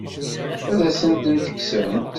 Ad asent-ten-kksent?